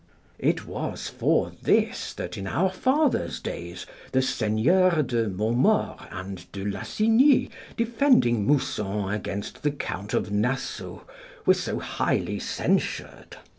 It was for this that in our fathers' days the Seigneurs de Montmord and de l'Assigni, defending Mousson against the Count of Nassau, were so highly censured.